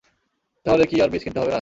তাহলে কি আর বীজ কিনতে হবে না?